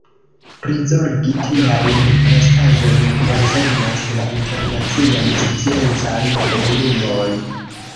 Prizorgi tiajn restaĵojn koncernas la internacian sciencan komunumon.